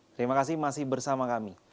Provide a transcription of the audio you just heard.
terima kasih masih bersama kami